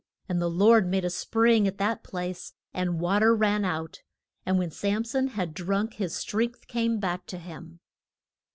And the Lord made a spring at that place and wa ter ran out, and when Sam son had drunk, his strength came back to him.